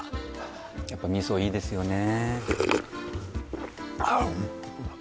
やっぱ味噌いいですよねえ